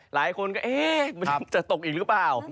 หลายคนก็เอ๊ะมันจะตกอีกหรือเปล่า